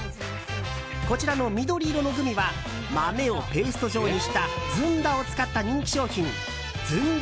こちらの緑色のグミは豆をペースト状にしたずんだを使った人気商品ずんだ